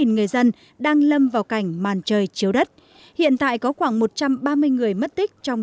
người dân đang lâm vào cảnh màn trời chiếu đất hiện tại có khoảng một trăm ba mươi người mất tích trong